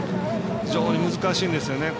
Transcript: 非常に難しいんですよね。